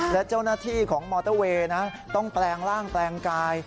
และเจ้าหน้าที่ของมอเตอร์เวย์ต้องแปลงร่างแปลงกาย